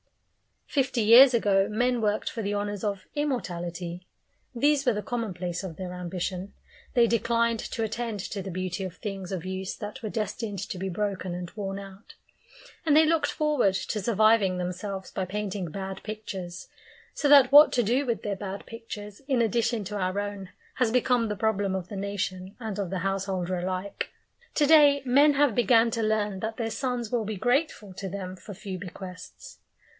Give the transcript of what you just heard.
Fifty years ago, men worked for the honours of immortality; these were the commonplace of their ambition; they declined to attend to the beauty of things of use that were destined to be broken and worn out, and they looked forward to surviving themselves by painting bad pictures; so that what to do with their bad pictures in addition to our own has become the problem of the nation and of the householder alike. To day men have began to learn that their sons will be grateful to them for few bequests.